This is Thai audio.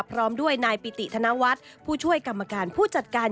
พร้อมด้วยนายปิติธนวัฒน์ผู้ช่วยกรรมการผู้จัดการ